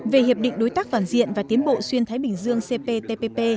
về hiệp định đối tác toàn diện và tiến bộ xuyên thái bình dương cptpp